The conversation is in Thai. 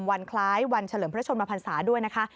วันคล้ายวันเฉลิมพระชนมพันศาด้วยนะคะ